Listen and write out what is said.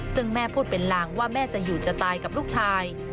ซึ่งแม่พูดเป็นลางว่าแม่จะอยู่จะตายกับลูกชาย